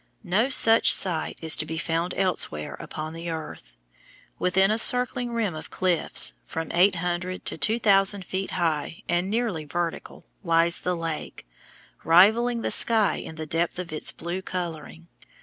No such sight is to be found elsewhere upon the earth. Within a circling rim of cliffs, from eight hundred to two thousand feet high and nearly vertical, lies the lake, rivalling the sky in the depth of its blue coloring.